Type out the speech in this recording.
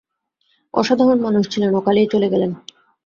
অসাধারণ মানুষ ছিলেন, অকালেই চলে গেলেন।